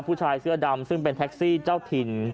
ผู้ชายเสื้อดำซึ่งเป็นแท็กซี่เจ้าถิ่น